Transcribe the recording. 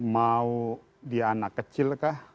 mau dia anak kecil kah